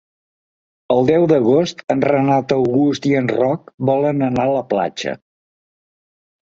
El deu d'agost en Renat August i en Roc volen anar a la platja.